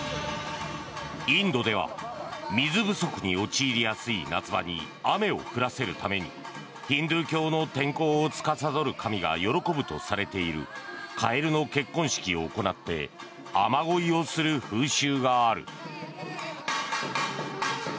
インドでは水不足に陥りやすい夏場に雨を降らせるためにヒンドゥー教の天候をつかさどる神が喜ぶとされているカエルの結婚式を行って雨乞いをする風習がある。